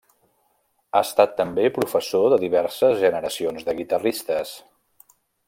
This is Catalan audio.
Ha estat també professor de diverses generacions de guitarristes.